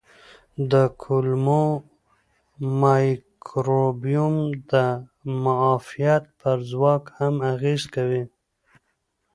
د کولمو مایکروبیوم د معافیت پر ځواک هم اغېز کوي.